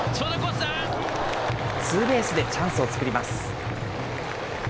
ツーベースでチャンスを作ります。